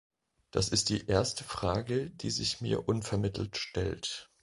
Das ist die erste Frage, die sich mir unvermittelt stellt.